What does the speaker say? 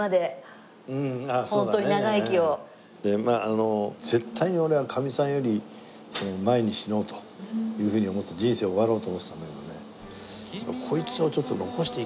まああの絶対に俺はかみさんより前に死のうというふうに人生終わろうと思ってたんだけどね。